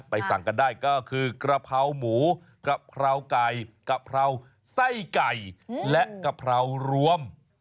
สั่งกันได้ก็คือกะเพราหมูกะเพราไก่กะเพราไส้ไก่และกะเพรารวม